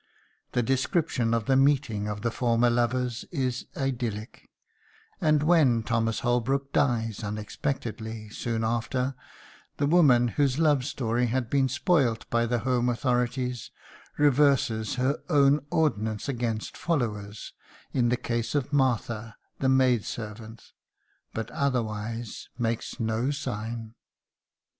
The description of the meeting of the former lovers is idyllic; and when Thomas Holbrook dies unexpectedly, soon after, the woman whose love story had been spoilt by the home authorities reverses her own ordinance against "followers" in the case of Martha, the maid servant, but otherwise makes no sign.